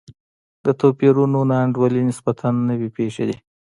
د توپیرونو نا انډولي نسبتا نوې پېښې دي.